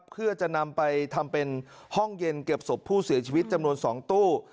เพื่อจะนำไปทำเป็นห้องเย็นเก็บศพผู้เสียชีวิตจำนวน๒ตู้